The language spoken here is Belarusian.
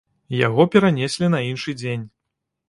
Яго перанеслі на іншы дзень.